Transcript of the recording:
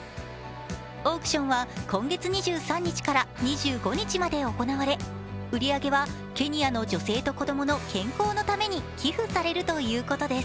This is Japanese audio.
オークションは今月２３日から２５日まで行われ売り上げはケニアの女性と子供の健康のために寄付されるということです。